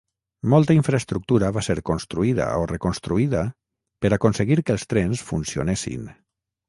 Molta infraestructura va ser construïda o reconstruïda per aconseguir que els trens funcionessin.